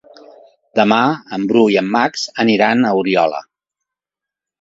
Demà en Bru i en Max iran a Oriola.